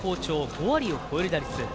５割を超える打率。